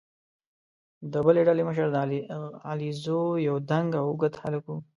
د بلې ډلې مشر د علیزو یو دنګ او اوږد هلک وو.